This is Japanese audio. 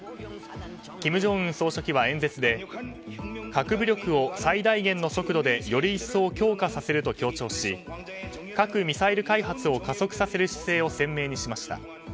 金正恩総書記は演説で核武力を最大限の速度でより一層強化させると強調し核・ミサイル開発を加速させる姿勢を鮮明にしました。